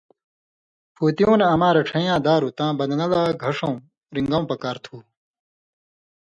پُھوتیُوں نہ اما رڇَھین٘یاں دارُو تاں بدنہ لا گھݜؤں/رِن٘گؤں پکار تُھو۔